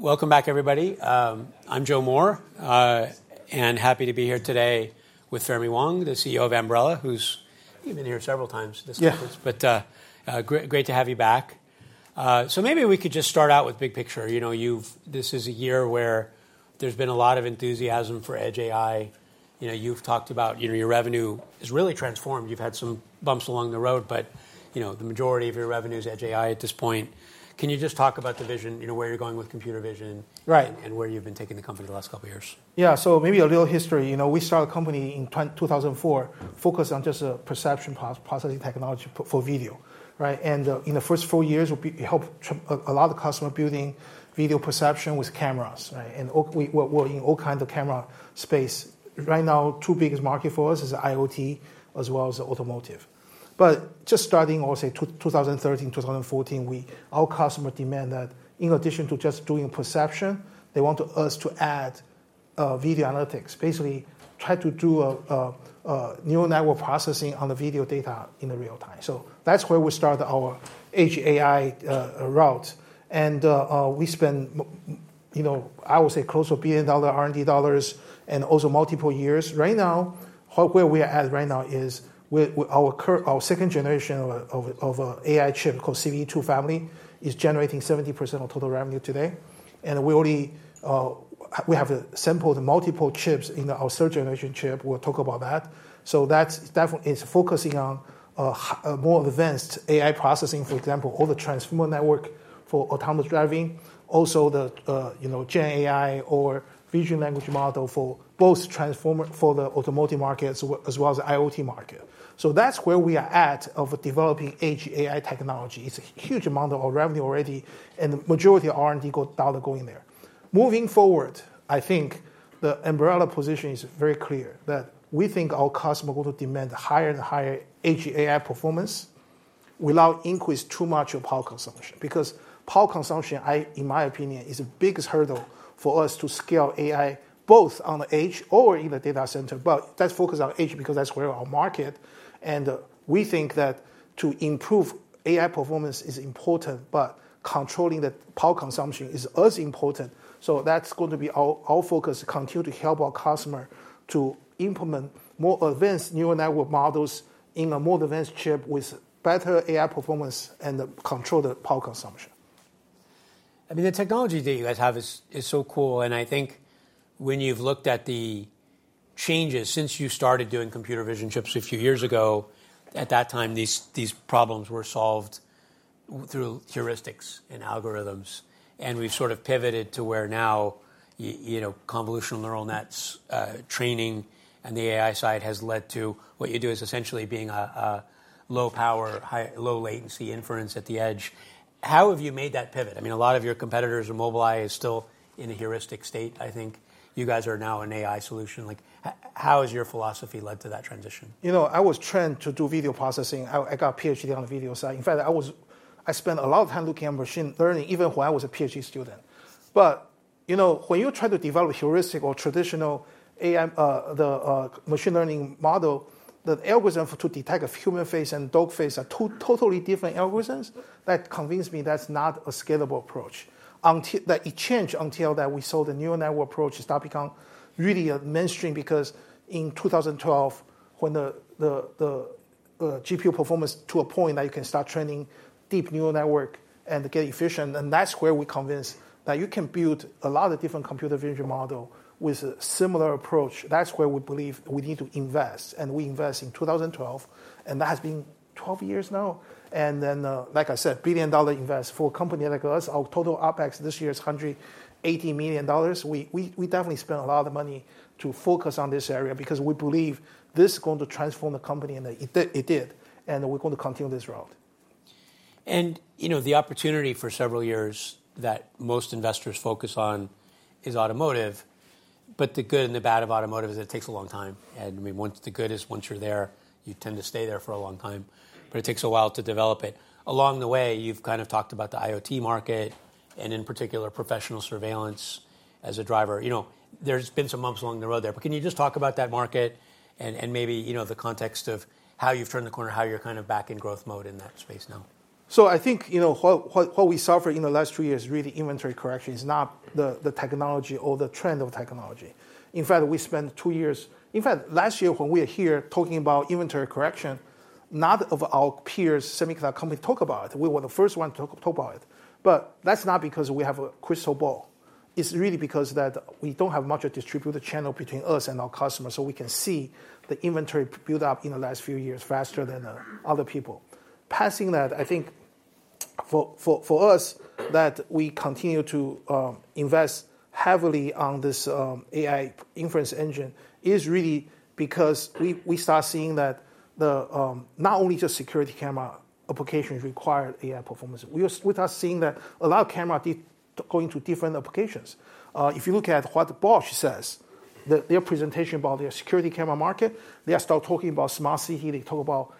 Welcome back, everybody. I'm Joe Moore, and happy to be here today with Fermi Wang, the CEO of Ambarella, who's been here several times this conference. But great to have you back. So maybe we could just start out with big picture. This is a year where there's been a lot of enthusiasm for edge AI. You've talked about your revenue has really transformed. You've had some bumps along the road, but the majority of your revenue is edge AI at this point. Can you just talk about the vision, where you're going with computer vision, and where you've been taking the company the last couple of years? Yeah, so maybe a little history. We started the company in 2004, focused on just a perception processing technology for video, and in the first four years, we helped a lot of customers building video perception with cameras in all kinds of camera space. Right now, two biggest markets for us are IoT, as well as automotive, but just starting, I would say, 2013, 2014, our customers demand that in addition to just doing perception, they want us to add video analytics. Basically, try to do neural network processing on the video data in real time, so that's where we started our edge AI route, and we spent, I would say, close to $1 billion R&D dollars and also multiple years. Right now, where we are at right now is our second generation of AI chip called CV2 family is generating 70% of total revenue today. We have sampled multiple chips in our third generation chip. We'll talk about that. That's definitely focusing on more advanced AI processing, for example, all the Transformer network for autonomous driving. Also, the Gen AI or vision language model for both Transformer for the automotive markets, as well as the IoT market. That's where we are at of developing edge AI technology. It's a huge amount of revenue already, and the majority of R&D dollars going there. Moving forward, I think the Ambarella position is very clear that we think our customers will demand higher and higher edge AI performance without increasing too much of power consumption. Because power consumption, in my opinion, is the biggest hurdle for us to scale AI, both on the edge or in the data center. That's focused on edge because that's where our market is. And we think that to improve AI performance is important, but controlling the power consumption is as important. So that's going to be our focus, continue to help our customers to implement more advanced neural network models in a more advanced chip with better AI performance and control the power consumption. I mean, the technology that you guys have is so cool. And I think when you've looked at the changes since you started doing computer vision chips a few years ago, at that time, these problems were solved through heuristics and algorithms. And we've sort of pivoted to where now convolutional neural nets training and the AI side has led to what you do is essentially being a low power, low latency inference at the edge. How have you made that pivot? I mean, a lot of your competitors, Mobileye, is still in a heuristic state. I think you guys are now an AI solution. How has your philosophy led to that transition? You know, I was trained to do video processing. I got a PhD on the video side. In fact, I spent a lot of time looking at machine learning, even while I was a PhD student. But when you try to develop heuristic or traditional machine learning model, the algorithm to detect a human face and dog face are two totally different algorithms. That convinced me that's not a scalable approach. That changed until we saw the neural network approach start become really mainstream. Because in 2012, when the GPU performance to a point that you can start training deep neural network and get efficient, and that's where we convinced that you can build a lot of different computer vision models with a similar approach. That's where we believe we need to invest. And we invest in 2012, and that has been 12 years now. And then, like I said, billion dollar investment for a company like us. Our total OpEx this year is $180 million. We definitely spent a lot of money to focus on this area because we believe this is going to transform the company, and it did. And we're going to continue this route. And the opportunity for several years that most investors focus on is automotive, but the good and the bad of automotive is it takes a long time, and once you're there, you tend to stay there for a long time, but it takes a while to develop it. Along the way, you've kind of talked about the IoT market, and in particular, professional surveillance as a driver. There's been some bumps along the road there, but can you just talk about that market and maybe the context of how you've turned the corner, how you're kind of back in growth mode in that space now? So I think what we suffered in the last two years is really inventory correction. It's not the technology or the trend of technology. In fact, we spent two years last year when we were here talking about inventory correction, none of our peers, semiconductor companies, talked about it. We were the first ones to talk about it. But that's not because we have a crystal ball. It's really because we don't have much of a distributed channel between us and our customers. So we can see the inventory build-up in the last few years faster than other people. Passing that, I think for us, that we continue to invest heavily on this AI inference engine is really because we start seeing that not only just security camera applications require AI performance. We start seeing that a lot of cameras are going to different applications. If you look at what Bosch says, their presentation about their security camera market, they are still talking about smart city, they talk about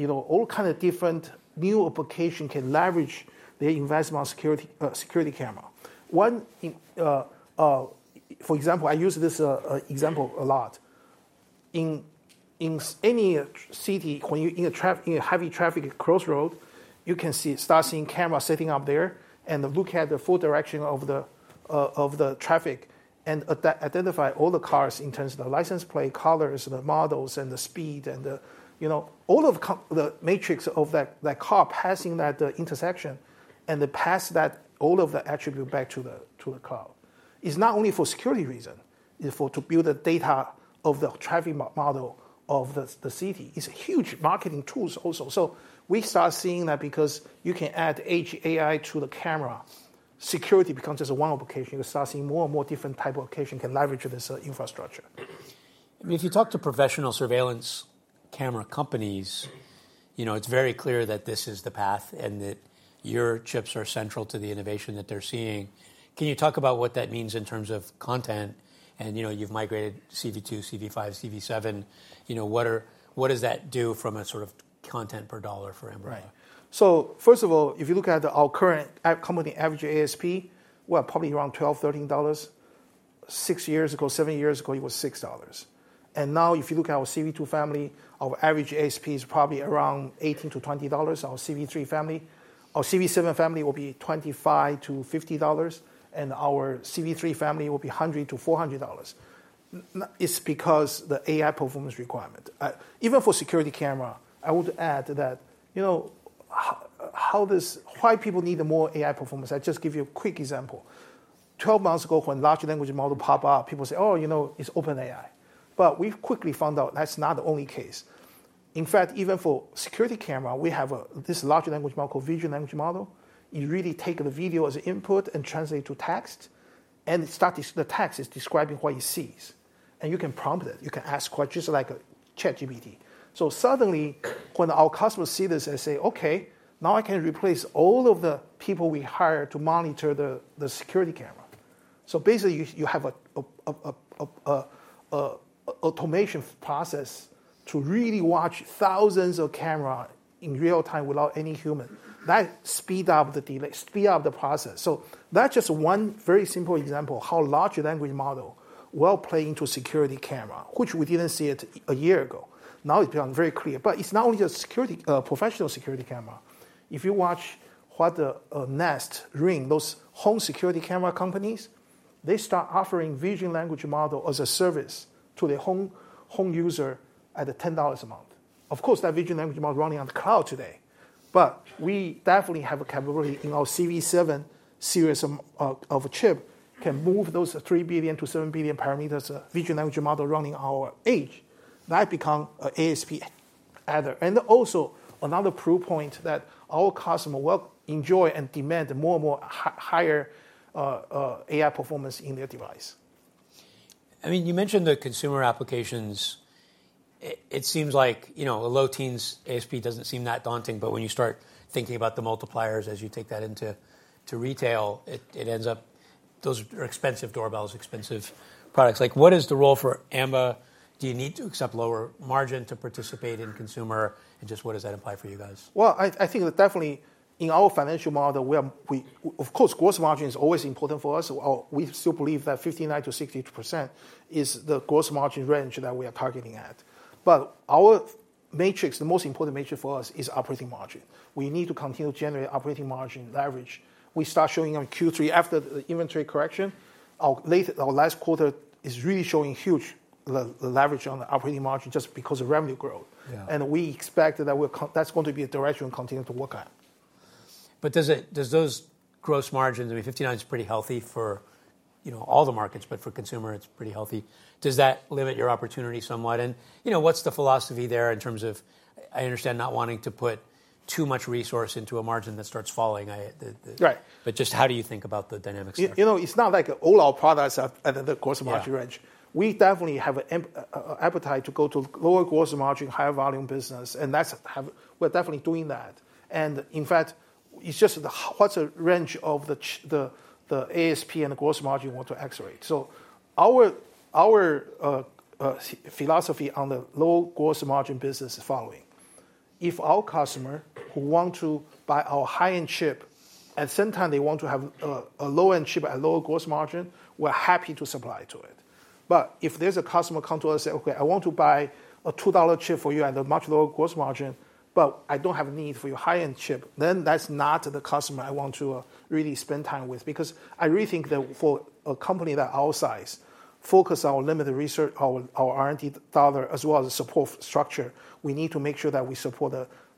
all kinds of different new applications can leverage their investment on security camera. For example, I use this example a lot. In any city, when you're in a heavy traffic crossroad, you can start seeing cameras setting up there and look at the full direction of the traffic and identify all the cars in terms of the license plate, colors, the models, and the speed, and all of the matrix of that car passing that intersection and pass that all of the attribute back to the cloud. It's not only for security reasons. It's for to build the data of the traffic model of the city. It's a huge marketing tool also. So we start seeing that because you can add edge AI to the camera, security becomes just one application. You start seeing more and more different types of applications can leverage this infrastructure. If you talk to professional surveillance camera companies, it's very clear that this is the path and that your chips are central to the innovation that they're seeing. Can you talk about what that means in terms of compute? You've migrated CV2, CV5, CV7. What does that do from a sort of compute per dollar for Ambarella? So first of all, if you look at our current company average ASP, we're probably around $12-$13. Six years ago, seven years ago, it was $6. And now if you look at our CV2 family, our average ASP is probably around $18-$20, our CV3 family. Our CV7 family will be $25-$50, and our CV3 family will be $100-$400. It's because of the AI performance requirement. Even for security camera, I would add that why do people need more AI performance? I'll just give you a quick example. 12 months ago, when large language models popped up, people said, oh, you know it's OpenAI. But we quickly found out that's not the only case. In fact, even for security camera, we have this large language model called vision language model. It really takes the video as an input and translates it to text. The text is describing what it sees. You can prompt it. You can ask questions like ChatGPT. Suddenly, when our customers see this, they say, OK, now I can replace all of the people we hire to monitor the security camera. Basically, you have an automation process to really watch thousands of cameras in real time without any human. That speeds up the process. That's just one very simple example of how large language models will play into security camera, which we didn't see a year ago. Now it's become very clear. It's not only just professional security camera. If you watch what Nest, Ring, those home security camera companies, they start offering vision language models as a service to their home user at a $10 amount. Of course, that vision language model is running on the cloud today. But we definitely have a capability in our CV7 series of chips that can move those 3 billion-7 billion parameters of vision language model running on edge. That becomes an ASP adder. And also, another proof point that our customers will enjoy and demand more and more higher AI performance in their device. I mean, you mentioned the consumer applications. It seems like a low teens ASP doesn't seem that daunting. But when you start thinking about the multipliers, as you take that into retail, it ends up those are expensive doorbells, expensive products. What is the role for Ambarella? Do you need to accept lower margin to participate in consumer? And just what does that imply for you guys? I think definitely in our financial model, of course, gross margin is always important for us. We still believe that 59%-60% is the gross margin range that we are targeting at. But our metric, the most important metric for us, is operating margin. We need to continue to generate operating margin leverage. We start showing on Q3 after the inventory correction. Our last quarter is really showing huge leverage on the operating margin just because of revenue growth. We expect that that's going to be a direction we continue to work at. But does those gross margins, I mean, 59% is pretty healthy for all the markets, but for consumer, it's pretty healthy. Does that limit your opportunity somewhat? And what's the philosophy there in terms of I understand not wanting to put too much resource into a margin that starts falling. But just how do you think about the dynamics there? It's not like all our products are at the gross margin range. We definitely have an appetite to go to lower gross margin, higher volume business. And we're definitely doing that. And in fact, it's just what's the range of the ASP and the gross margin we want to accelerate. So our philosophy on the low gross margin business is following. If our customers who want to buy our high-end chip, at the same time, they want to have a low-end chip at lower gross margin, we're happy to supply to it. But if there's a customer come to us and say, OK, I want to buy a $2 chip for you at a much lower gross margin, but I don't have a need for your high-end chip, then that's not the customer I want to really spend time with. Because I really think that for a company that our size focuses on our limited research, our R&D dollar, as well as the support structure, we need to make sure that we support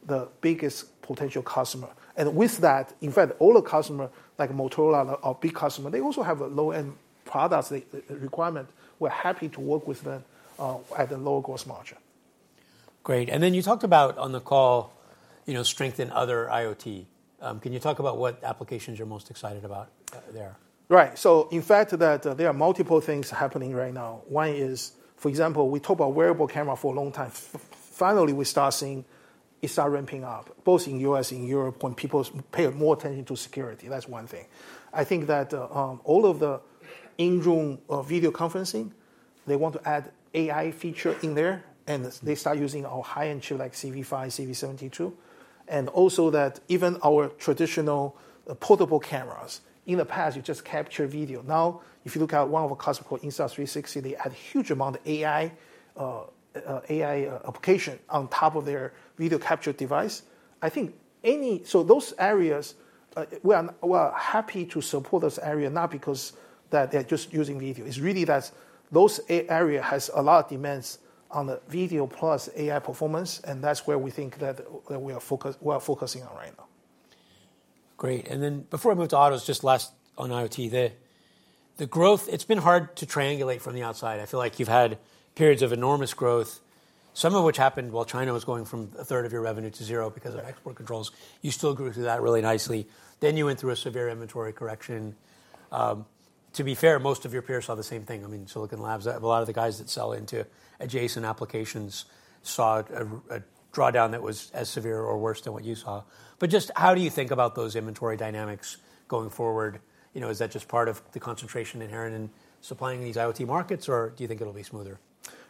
the biggest potential customer, and with that, in fact, all the customers, like Motorola, our big customers, they also have low-end products requirements. We're happy to work with them at a lower gross margin. Great. And then you talked about on the call, strengthen other IoT. Can you talk about what applications you're most excited about there? Right, so in fact, there are multiple things happening right now. One is, for example, we talked about wearable cameras for a long time. Finally, we start seeing it ramping up, both in the U.S. and in Europe, when people pay more attention to security. That's one thing. I think that all of the in-room video conferencing, they want to add AI features in there. And they start using our high-end chip like CV5, CV72. And also that even our traditional portable cameras, in the past, you just captured video. Now, if you look at one of our customers, called Insta360, they add a huge amount of AI applications on top of their video capture device. I think, so those areas, we are happy to support those areas, not because they're just using video. It's really that those areas have a lot of demands on the video plus AI performance, and that's where we think that we are focusing on right now. Great. And then before I move to autos, just last on IoT there. The growth, it's been hard to triangulate from the outside. I feel like you've had periods of enormous growth, some of which happened while China was going from a third of your revenue to zero because of export controls. You still grew through that really nicely. Then you went through a severe inventory correction. To be fair, most of your peers saw the same thing. I mean, Silicon Labs, a lot of the guys that sell into adjacent applications saw a drawdown that was as severe or worse than what you saw. But just how do you think about those inventory dynamics going forward? Is that just part of the concentration inherent in supplying these IoT markets, or do you think it'll be smoother?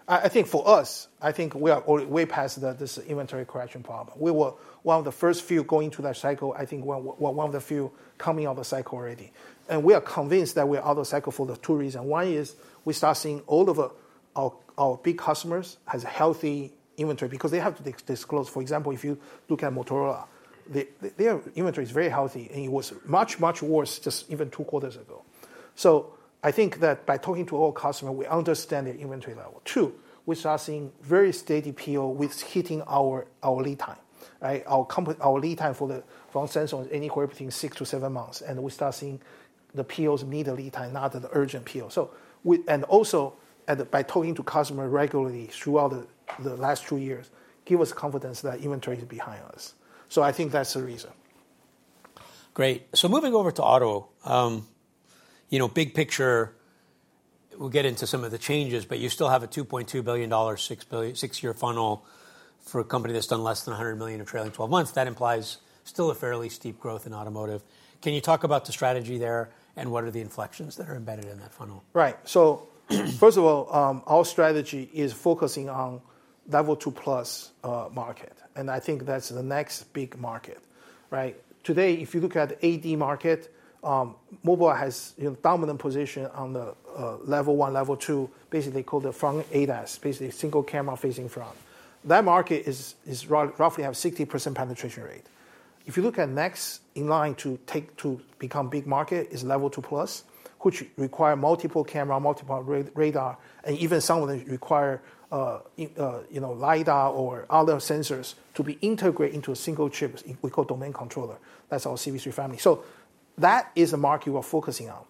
I think for us, I think we are way past this inventory correction problem. We were one of the first few going through that cycle, I think one of the few coming out of the cycle already. And we are convinced that we are out of the cycle for two reasons. One is we start seeing all of our big customers have healthy inventory because they have to disclose. For example, if you look at Motorola, their inventory is very healthy. And it was much, much worse just even two quarters ago. So I think that by talking to our customers, we understand their inventory level. Two, we start seeing very steady PO with hitting our lead time. Our lead time for the phone sensors anywhere between six to seven months. And we start seeing the POs need a lead time, not an urgent PO. Also, by talking to customers regularly throughout the last two years, it gives us confidence that inventory is behind us. I think that's the reason. Great. So moving over to auto, big picture, we'll get into some of the changes. But you still have a $2.2 billion, six-year funnel for a company that's done less than $100 million of trailing 12 months. That implies still a fairly steep growth in automotive. Can you talk about the strategy there and what are the inflections that are embedded in that funnel? Right. So first of all, our strategy is focusing on Level 2+ market, and I think that's the next big market. Today, if you look at the AD market, Mobileye has a dominant position on the Level 1, Level 2, basically called the front ADAS, basically single camera facing front. That market roughly has a 60% penetration rate. If you look at next in line to become a big market is Level 2+, which requires multiple cameras, multiple radar, and even some of them require LiDAR or other sensors to be integrated into a single chip we call domain controller. That's our CV3 family, so that is a market we're focusing on,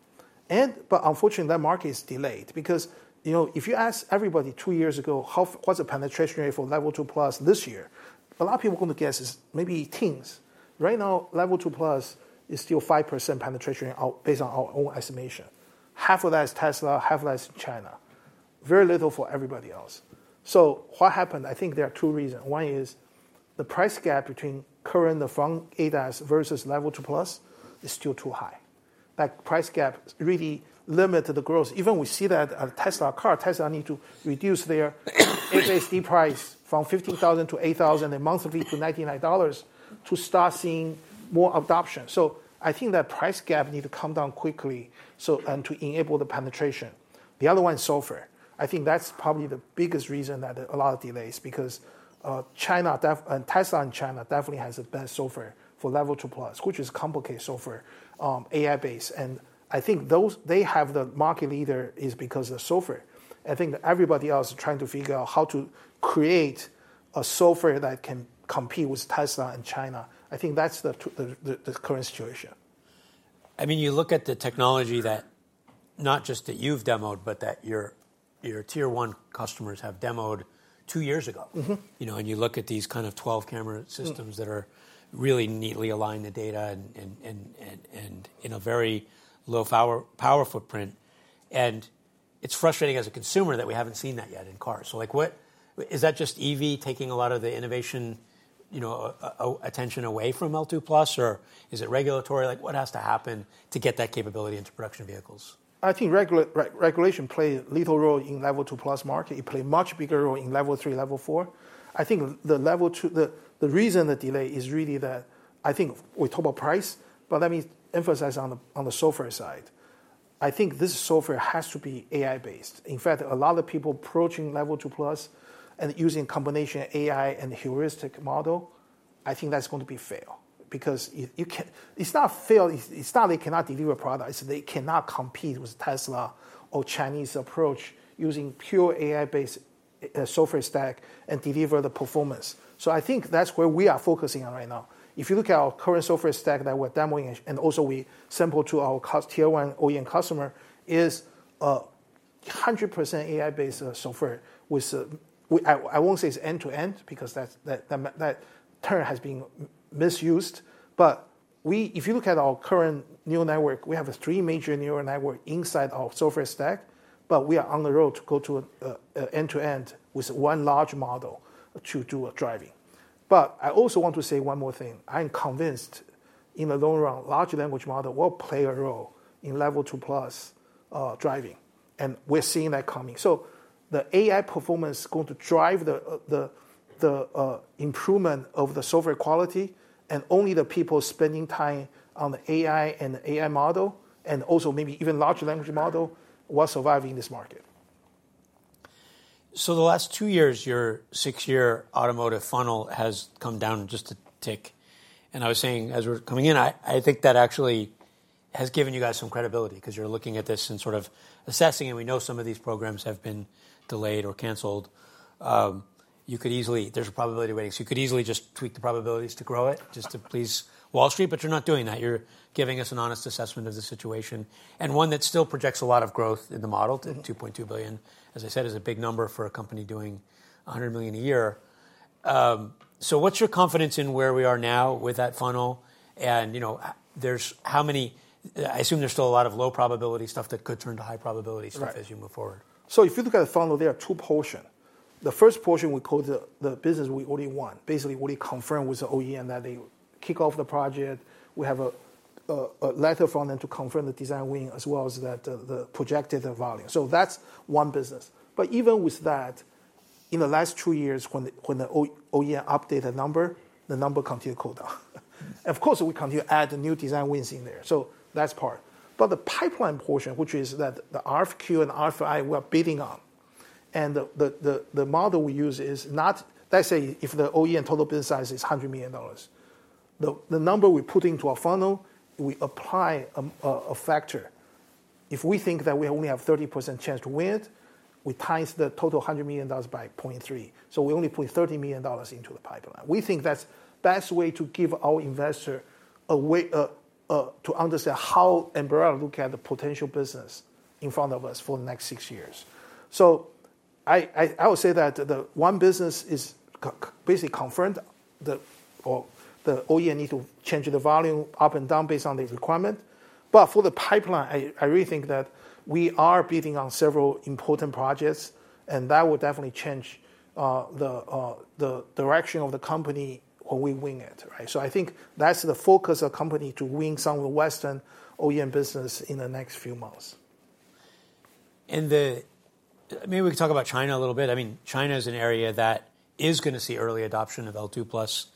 but unfortunately, that market is delayed. Because if you ask everybody two years ago, what's the penetration rate for Level 2+ this year, a lot of people are going to guess it's maybe teens. Right now, Level 2+ is still 5% penetration based on our own estimation. Half of that is Tesla, half of that is China. Very little for everybody else. So what happened, I think there are two reasons. One is the price gap between current front ADAS versus Level 2+ is still too high. That price gap really limits the growth. Even we see that at a Tesla car, Tesla needs to reduce their FSD price from $15,000 to $8,000 and monthly to $99 to start seeing more adoption. So I think that price gap needs to come down quickly and to enable the penetration. The other one is software. I think that's probably the biggest reason that there are a lot of delays because Tesla in China definitely has the best software for Level 2+, which is complicated software, AI based. I think they have the market leader is because of the software. I think everybody else is trying to figure out how to create a software that can compete with Tesla in China. I think that's the current situation. I mean, you look at the technology that not just that you've demoed, but that your Tier 1 customers have demoed two years ago. And you look at these kind of 12 camera systems that are really neatly aligned to data and in a very low power footprint. And it's frustrating as a consumer that we haven't seen that yet in cars. So is that just EV taking a lot of the innovation attention away from L2+, or is it regulatory? What has to happen to get that capability into production vehicles? I think regulation plays a little role in the Level 2+ market. It plays a much bigger role in Level 3, Level 4. I think the reason of the delay is really that I think we talk about price, but let me emphasize on the software side. I think this software has to be AI-based. In fact, a lot of people approaching Level 2+ and using a combination of AI and heuristic model, I think that's going to be a fail. Because it's not fail. It's not they cannot deliver products. They cannot compete with Tesla or Chinese approach using pure AI-based software stack and deliver the performance. So I think that's where we are focusing on right now. If you look at our current software stack that we're demoing, and also we sample to our Tier 1 OEM customer, it is 100% AI-based software. I won't say it's end-to-end because that term has been misused. But if you look at our current neural network, we have three major neural networks inside our software stack. But we are on the road to go to end-to-end with one large model to do driving. But I also want to say one more thing. I'm convinced in the long run, large language models will play a role in level two plus driving. And we're seeing that coming. So the AI performance is going to drive the improvement of the software quality. And only the people spending time on the AI and the AI model, and also maybe even large language model, will survive in this market. So the last two years, your six-year automotive funnel has come down just a tick. And I was saying, as we're coming in, I think that actually has given you guys some credibility because you're looking at this and sort of assessing it. We know some of these programs have been delayed or canceled. There's a probability rating. So you could easily just tweak the probabilities to grow it, just to please Wall Street. But you're not doing that. You're giving us an honest assessment of the situation. And one that still projects a lot of growth in the model to $2.2 billion, as I said, is a big number for a company doing $100 million a year. So what's your confidence in where we are now with that funnel? And how many? I assume there's still a lot of low probability stuff that could turn to high probability stuff as you move forward. So if you look at the funnel, there are two portions. The first portion we call the business we already won, basically already confirmed with the OEM that they kick off the project. We have a letter from them to confirm the design win as well as the projected value. So that's one business. But even with that, in the last two years, when the OEM updated the number, the number continued to cool down. Of course, we continue to add new design wins in there. So that's part. But the pipeline portion, which is that the RFQ and RFI we are bidding on, and the model we use is not, let's say, if the OEM total business size is $100 million, the number we put into our funnel, we apply a factor. If we think that we only have a 30% chance to win it, we times the total $100 million by 0.3, so we only put $30 million into the pipeline. We think that's the best way to give our investor a way to understand how Ambarella looks at the potential business in front of us for the next six years, so I would say that one business is basically confirmed. The OEM needs to change the volume up and down based on the requirement, but for the pipeline, I really think that we are bidding on several important projects, and that will definitely change the direction of the company when we win it, so I think that's the focus of the company to win some of the Western OEM business in the next few months. And maybe we can talk about China a little bit. I mean, China is an area that is going to see early adoption of L2+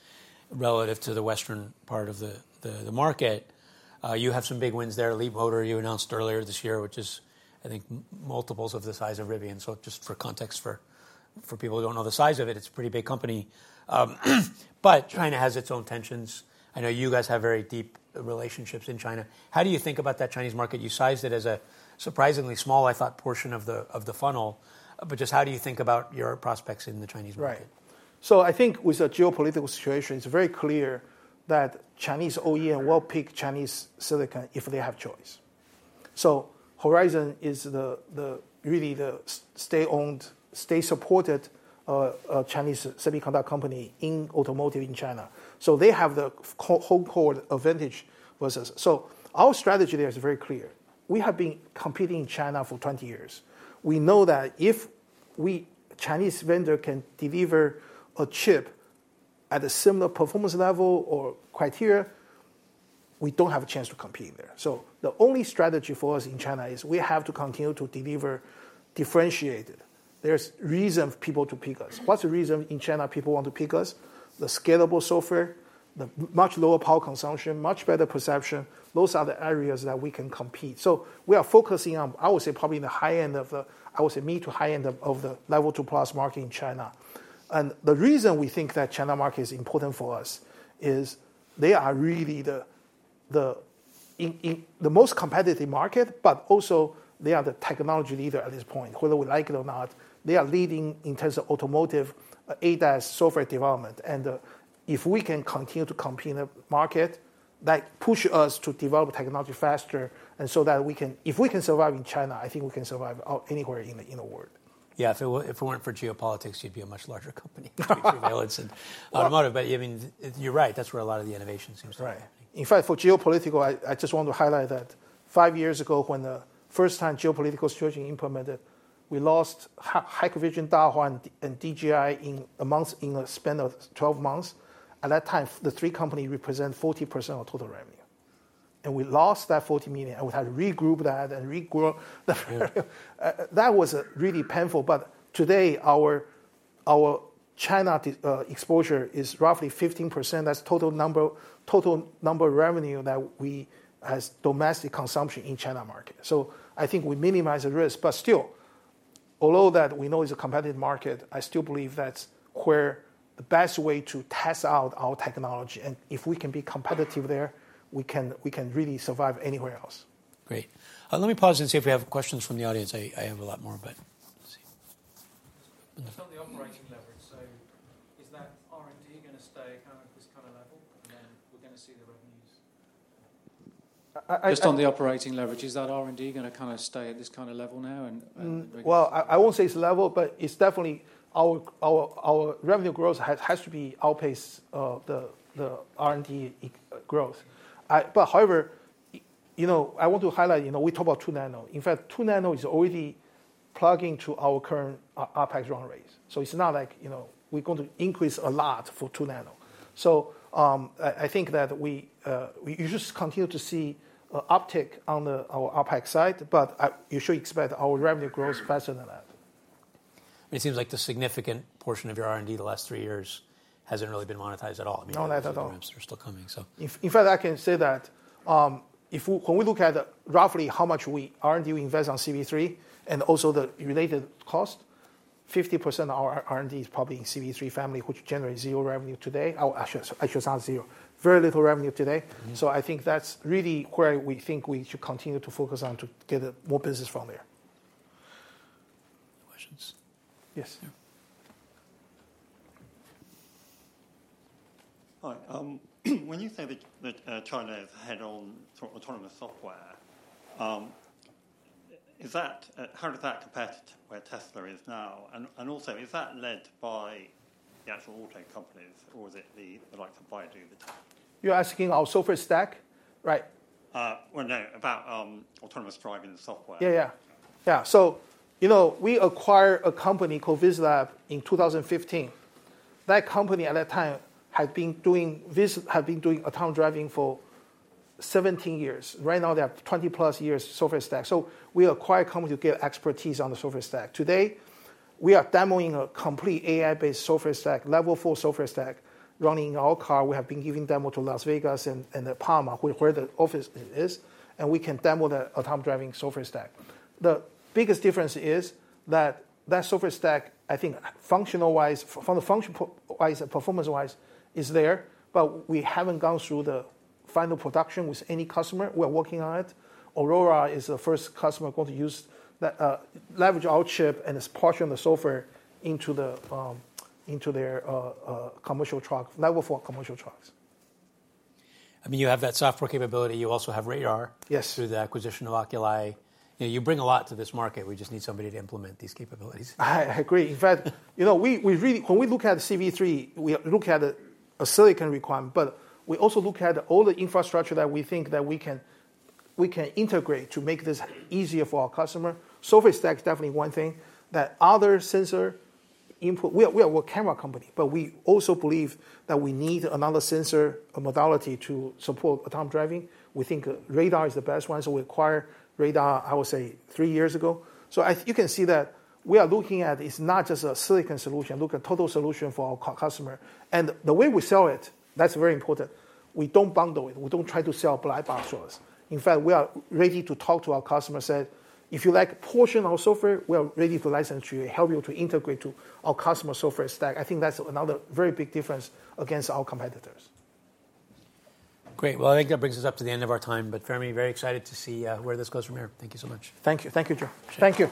relative to the Western part of the market. You have some big wins there. Leapmotor, you announced earlier this year, which is, I think, multiples of the size of Rivian. So just for context, for people who don't know the size of it, it's a pretty big company. But China has its own tensions. I know you guys have very deep relationships in China. How do you think about that Chinese market? You sized it as a surprisingly small, I thought, portion of the funnel. But just how do you think about your prospects in the Chinese market? Right. So I think with the geopolitical situation, it's very clear that Chinese OEM will pick Chinese silicon if they have choice. So Horizon is really the state-owned, state-supported Chinese semiconductor company in automotive in China. So they have the whole core advantage versus us. So our strategy there is very clear. We have been competing in China for 20 years. We know that if a Chinese vendor can deliver a chip at a similar performance level or criteria, we don't have a chance to compete there. So the only strategy for us in China is we have to continue to deliver differentiated. There's a reason for people to pick us. What's the reason in China people want to pick us? The scalable software, the much lower power consumption, much better perception. Those are the areas that we can compete. We are focusing on, I would say, probably the high end of the, I would say, mid to high end of the Level 2+ market in China. The reason we think that the China market is important for us is they are really the most competitive market. They are the technology leader at this point, whether we like it or not. They are leading in terms of automotive ADAS software development. If we can continue to compete in the market, that pushes us to develop technology faster. If we can survive in China, I think we can survive anywhere in the world. Yeah. So if it weren't for geopolitics, you'd be a much larger company for your surveillance in automotive. But I mean, you're right. That's where a lot of the innovation seems to be happening. Right. In fact, for geopolitical, I just want to highlight that five years ago, when the first-time geopolitical strategy implemented, we lost Hikvision, Dahua, and DJI in a month, in a span of 12 months. At that time, the three companies represented 40% of total revenue. And we lost that $40 million. And we had to regroup that and regrow. That was really painful. But today, our China exposure is roughly 15%. That's total number revenue that we have domestic consumption in the China market. So I think we minimize the risk. But still, although that we know it's a competitive market, I still believe that's where the best way to test out our technology. And if we can be competitive there, we can really survive anywhere else. Great. Let me pause and see if we have questions from the audience. I have a lot more, but. Just on the operating leverage, so is that R&D going to stay kind of at this kind of level? And then we're going to see the revenues. Just on the operating leverage, is that R&D going to kind of stay at this kind of level now? Well, I won't say it's level, but it's definitely our revenue growth has to outpace the R&D growth. But however, I want to highlight, we talk about 2nm. In fact, 2nm is already plugging to our current OpEx run rates. So it's not like we're going to increase a lot for 2nm. So I think that we just continue to see an uptick on our OpEx side. But you should expect our revenue grows faster than that. It seems like the significant portion of your R&D the last three years hasn't really been monetized at all. No, not at all. The revenues are still coming, so. In fact, I can say that when we look at roughly how much R&D we invest on CV3 and also the related cost, 50% of our R&D is probably in the CV3 family, which generates zero revenue today. Actually, it's not zero. Very little revenue today. So I think that's really where we think we should continue to focus on to get more business from there. Any questions? Yes. Hi. When you say that China has end-to-end autonomous software, how does that compare to where Tesla is now? And also, is that led by the actual auto companies, or is it like the suppliers do the? You're asking our software stack? Right. No, about autonomous driving software. Yeah, yeah. Yeah. So we acquired a company called VisLab in 2015. That company at that time had been doing autonomous driving for 17 years. Right now, they have 20-plus years of software stack. So we acquired a company to get expertise on the software stack. Today, we are demoing a complete AI-based software stack, level four software stack running in our car. We have been giving a demo to Las Vegas and the Parma, where the office is. And we can demo the autonomous driving software stack. The biggest difference is that that software stack, I think, functional-wise, performance-wise, is there. But we haven't gone through the final production with any customer. We're working on it. Aurora is the first customer going to leverage our chip and its parts on the software into their commercial truck, level four commercial trucks. I mean, you have that software capability. You also have radar through the acquisition of Oculii. You bring a lot to this market. We just need somebody to implement these capabilities. I agree. In fact, when we look at CV3, we look at the silicon requirement. But we also look at all the infrastructure that we think that we can integrate to make this easier for our customer. Software stack is definitely one thing. That other sensor input, we are a camera company. But we also believe that we need another sensor modality to support autonomous driving. We think radar is the best one. So we acquired radar, I would say, three years ago. So you can see that we are looking at it. It's not just a silicon solution. Look at total solution for our customer. And the way we sell it, that's very important. We don't bundle it. We don't try to sell black box for us. In fact, we are ready to talk to our customers and say, if you like a portion of our software, we are ready for license to help you to integrate to our customer software stack. I think that's another very big difference against our competitors. Great. Well, I think that brings us up to the end of our time. But Fermi, very excited to see where this goes from here. Thank you so much. Thank you. Thank you, Joe. Thank you.